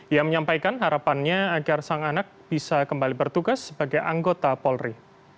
ia menyampaikan harapannya agar sang anak bisa kembali bertugas sebagai anggota polri